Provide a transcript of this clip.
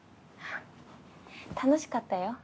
楽しかったよ。